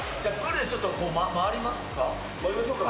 ちょっと回りますか。